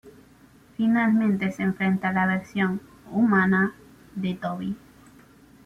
Finalmente se enfrenta a la versión "humana" de Toby.